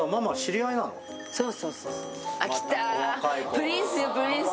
プリンスよプリンス。